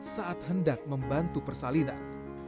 saat hendak membantu persalinan